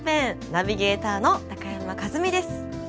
ナビゲーターの高山一実です。